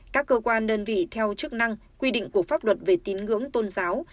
các cơ quan đơn vị theo chức năng quy định của pháp luật về tín ngưỡng tôn giáo